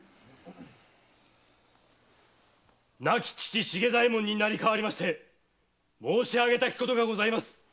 亡き父・茂左衛門になり代わりまして申しあげたきことがございます。